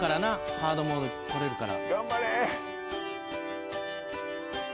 ハードモードこれるから。